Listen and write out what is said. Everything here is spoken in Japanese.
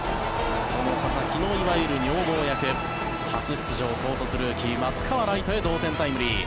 その佐々木のいわゆる女房役初出場、校卒ルーキー、松川ライト前へ同点タイムリー。